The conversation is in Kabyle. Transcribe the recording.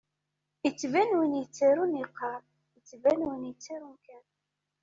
Ittban win yettarun iqqar, ittban win ittarun kan.